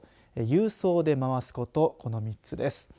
郵送で回すことこの３つです。